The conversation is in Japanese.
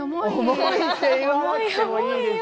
重いって言わなくてもいいでしょ。